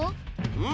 うん。